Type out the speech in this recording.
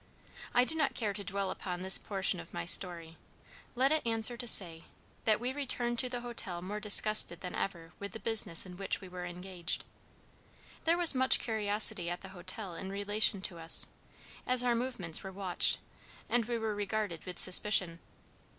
I do not care to dwell upon this portion of my story. Let it answer to say, that we returned to the hotel more disgusted than ever with the business in which we were engaged. There was much curiosity at the hotel in relation to us, as our movements were watched, and we were regarded with suspicion.